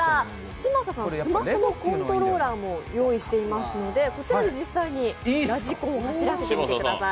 嶋佐さん、スマホのコントローラーもご用意していますのでこちらで実際にラジコンを走らせてみてください。